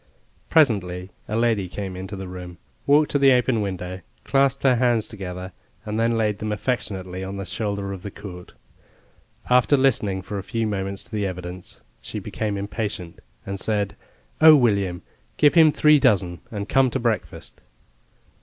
Presently a lady came into the room, walked to the open window, clasped her hands together, and laid them affectionately on the shoulder of the court. After listening for a few moments to the evidence she became impatient, and said, "Oh, William, give him three dozen and come to breakfast."